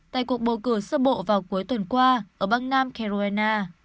tại cuộc bầu cử sơ bộ vào cuối tuần qua ở bang nam carolina